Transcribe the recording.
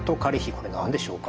これ何でしょうか？